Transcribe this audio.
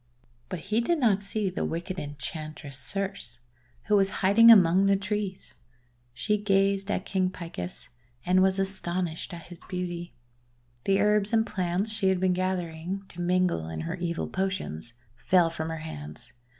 But he did not see the wicked Enchantress Circe, who was hiding among the trees. She gazed at King Picus and was astonished at his beauty. The herbs and plants she had been gathering, to mingle in her evil potions, fell from her hands.